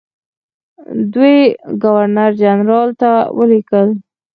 دوی ګورنرجنرال ته ولیکل.